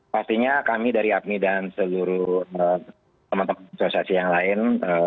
pastinya kami dari apni dan seluruh teman teman asosiasi yang lain